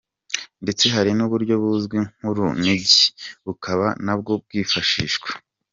Ndetse hari n’uburyo buzwi nk’urunigi, bukaba na bwo bwifashishwa.